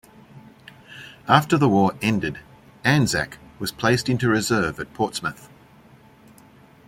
After the war ended, "Anzac" was placed into reserve at Portsmouth.